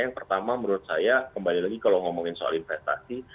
yang pertama menurut saya kembali lagi kalau ngomongin soal investasi